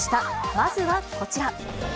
まずはこちら。